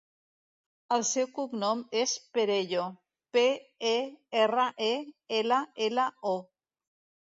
El seu cognom és Perello: pe, e, erra, e, ela, ela, o.